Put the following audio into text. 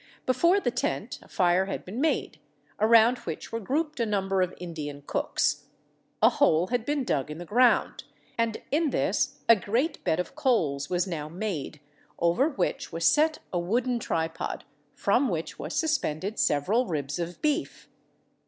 Before the tent a fire had been made, around which were grouped a number of Indian cooks. A hole had been dug in the ground and in this a great bed of coals was now made, over which was set a wooden tripod from which was suspended several ribs of beef.